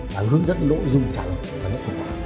là hướng dẫn nội dung trả lời đối tượng